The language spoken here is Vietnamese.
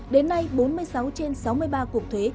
đến nay bốn mươi sáu trên sáu mươi ba cục thuế